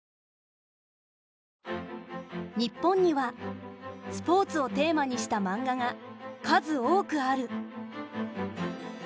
日本にはスポーツをテーマにしたマンガが数多くある。